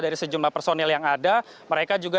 dari sejumlah personil yang ada mereka juga